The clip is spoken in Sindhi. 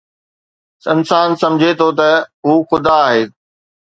انسان سمجهي ٿو ته هو خدا آهي